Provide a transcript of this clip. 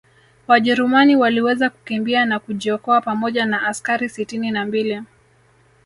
Wajerumani waliweza kukimbia na kujiokoa pamoja na askari sitini na mbili